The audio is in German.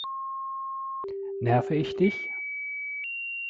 Nerve ich dich?